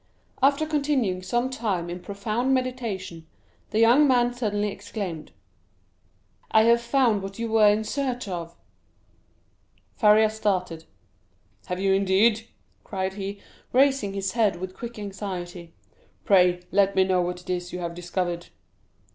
After continuing some time in profound meditation, the young man suddenly exclaimed, "I have found what you were in search of!" Faria started: "Have you, indeed?" cried he, raising his head with quick anxiety; "pray, let me know what it is you have discovered?"